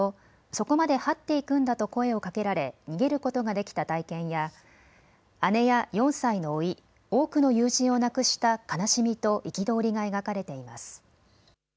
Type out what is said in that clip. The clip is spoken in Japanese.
そこまではっていくんだと声をかけられ逃げることができた体験や姉や４歳のおい、多くの友人を亡くした悲しみと憤りが描かれています。